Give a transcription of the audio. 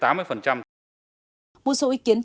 một số ý kiến trong phương án này là